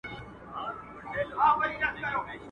د بل پر کور سل مېلمانه هيڅ نه دي.